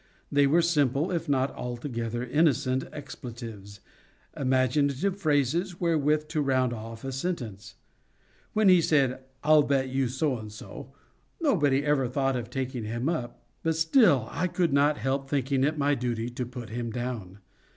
They were simple if not altogether innocent expletives—imaginative phrases wherewith to round off a sentence. When he said "I'll bet you so and so," nobody ever thought of taking him up; but still I could not help thinking it my duty to put him down.